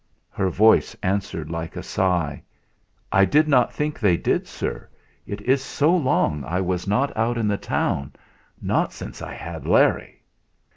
Her voice answered like a sigh: "I did not think they did, sir. It is so long I was not out in the town, not since I had Larry."